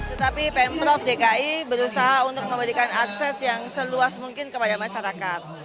tetapi pemprov dki berusaha untuk memberikan akses yang seluas mungkin kepada masyarakat